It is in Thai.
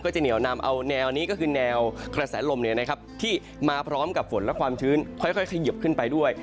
จะเหนียวนำเอาแนวนี้ก็คือแนวกระแสลมที่มาพร้อมกับฝนและความชื้นค่อยเขยิบขึ้นไปด้วย